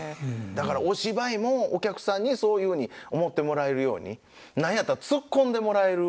だからお芝居もお客さんにそういうふうに思ってもらえるように何やったらツッコんでもらえるように。